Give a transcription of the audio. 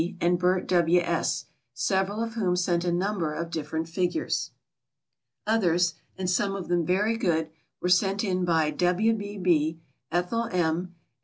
and Bert W. S., several of whom sent a number of different figures. Others, and some of them very good, were sent in by W. B. B., Ethel M.